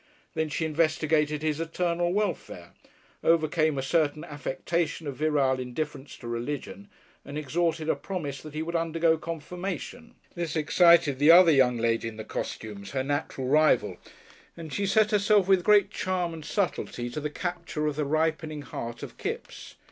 Then she investigated his eternal welfare, overcame a certain affectation of virile indifference to religion, and extorted a promise that he would undergo "confirmation." This excited the other young lady in the costumes, her natural rival, and she set herself with great charm and subtlety to the capture of the ripening heart of Kipps.